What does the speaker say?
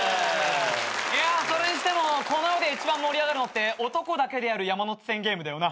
いやそれにしてもこの世で一番盛り上がるのって男だけでやる山手線ゲームだよな。